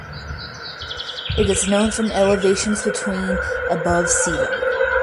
It is known from elevations between above sea level.